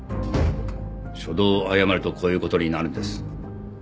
初動を誤るとこういうことになるんです。